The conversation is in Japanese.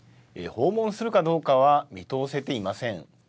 訪問するかどうかは見通せていません。